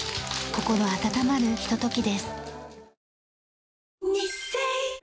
心温まるひとときです。